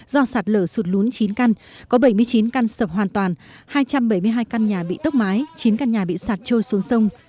do sạt lở sụt lún chín căn có bảy mươi chín căn sập hoàn toàn hai trăm bảy mươi hai căn nhà bị tốc mái chín căn nhà bị sạt trôi xuống sông